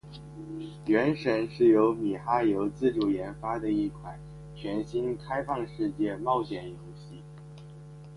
《原神》是由米哈游自主研发的一款全新开放世界冒险游戏。